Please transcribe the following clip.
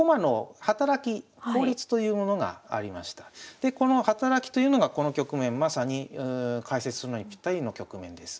でこの働きというのがこの局面まさに解説するのにぴったりの局面です。